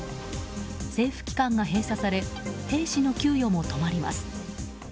政府機関が閉鎖され兵士の給与も止まります。